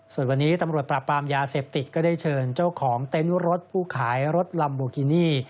ส่วนวันนี้ตำรวจปราบปรามยาเสพติดก็ได้เชิญเจ้าของเต็นต์รถผู้ขายรถลัมโบกินี่